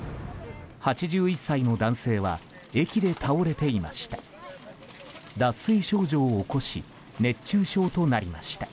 ８１歳の男性は駅で倒れていました。